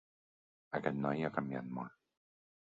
Aquest noi ha canviat molt.